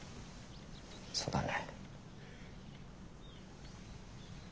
そうだね。